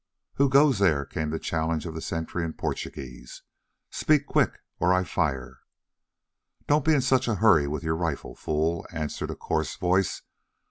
"Who goes there?" came the challenge of the sentry in Portuguese. "Speak quick or I fire." "Don't be in such a hurry with your rifle, fool," answered a coarse voice.